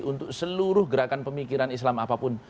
untuk seluruh gerakan pemikiran islam apapun